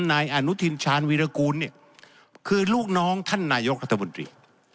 นายอนุทินชาญวีรกูลเนี่ยคือลูกน้องท่านนายกรัฐมนตรี